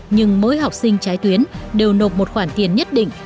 nhưng mỗi học sinh trái tuyến đều nộp một khoản tiền nhất định